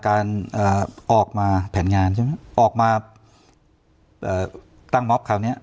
ออกมาแผนงานใช่ไหมออกมาเอ่อตั้งมอบคราวเนี้ย